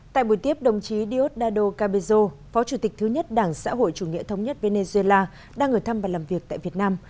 tại buổi tiếp đồng chí diosdado cabezo phó chủ tịch thứ nhất đảng xã hội chủ nghĩa thống nhất venezuela đang ở thăm và làm việc tại việt nam